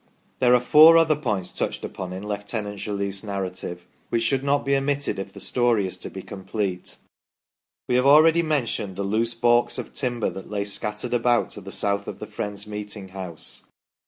There are four other points touched upon in Lieutenant Jolliffe's narrative, which should not be omitted if the story is to be complete. THE FATEFUL DECISION 39 We have already mentioned the loose baulks of timber that lay scattered about to the south of the Friends' meeting house.